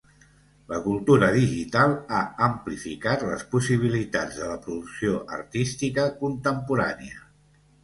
La cultura digital ha amplificat les possibilitats de la producció artística contemporània.